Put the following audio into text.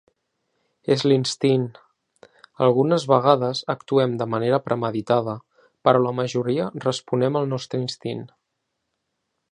És l"instint...Algumnes vegades actuem de manera premeditada però la majoria responem al nostre instint.